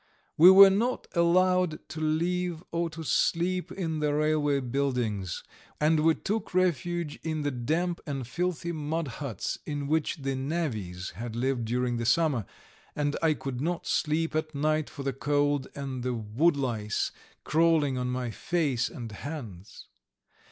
We were not allowed to live or to sleep in the railway buildings, and we took refuge in the damp and filthy mud huts in which the navvies had lived during the summer, and I could not sleep at night for the cold and the woodlice crawling on my face and hands.